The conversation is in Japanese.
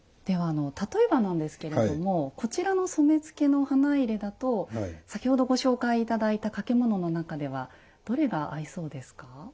ではあの例えばなんですけれどもこちらの染付の花入だと先ほどご紹介頂いた掛物の中ではどれが合いそうですか？